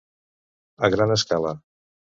A gran escala.